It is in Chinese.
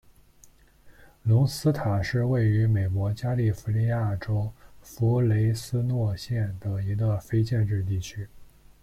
隆斯塔是位于美国加利福尼亚州弗雷斯诺县的一个非建制地区。